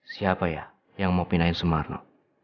siapa ya yang mau pindahin sumarno